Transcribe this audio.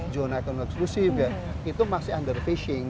jonaikon eksklusif ya itu masih under fishing